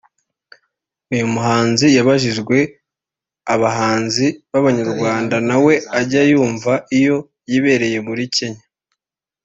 uyu muhanzi yabajijwe abahanzi b’abanyarwanda nawe ajya yumva iyo yibereye muri Kenya